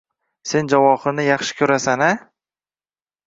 Sen Javohirni yaxshi ko`rasan-a